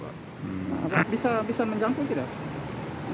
bisa menjangkau tidak